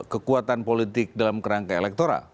kekuatan politik dalam kerangka elektoral